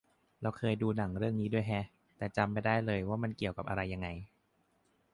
เราเคยดูหนังเรื่องนี้ด้วยแฮะ แต่จำไม่ได้เลยว่ามันเกี่ยวกับอะไรยังไง